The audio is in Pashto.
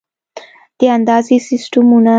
د اندازې سیسټمونه